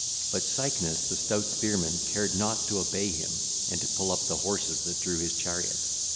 But Cycnus the stout spearman cared not to obey him and to pull up the horses that drew his chariot.